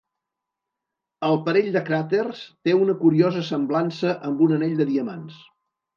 El parell de cràters té una curiosa semblança amb un anell de diamants.